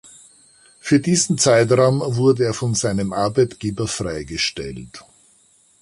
Für diesen Zeitraum wurde er von seinem Arbeitgeber freigestellt.